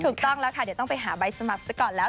ถูกต้องแล้วค่ะเดี๋ยวต้องไปหาใบสมัครซะก่อนแล้ว